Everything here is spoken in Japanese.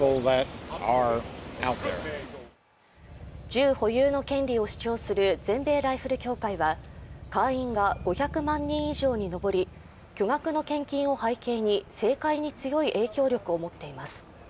銃保有の権利を主張する全米ライフル協会は会員が５００万人以上に上り巨額な献金を背景に政界に強い影響力を持っています。